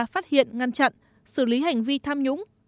phát hiện ngăn chặn xử lý hành vi tham nhũng